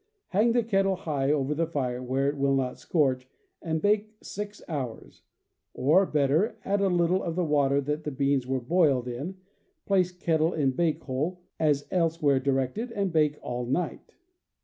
Hang the kettle high over the fire where it will not scorch, and bake six hours; or, better, add a little of the water that the beans were boiled in, place kettle in bake hole as elsewhere directed, and bake all night.